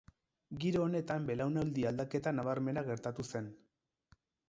Giro honetan belaunaldi aldaketa nabarmena gertatu zen.